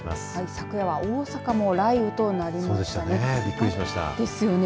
昨夜は大阪も雷雨となりましたよね。